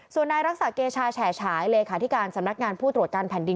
ส่วนนายรักษาเกชาแฉฉายเลขาธิการสำนักงานผู้ตรวจการแผ่นดิน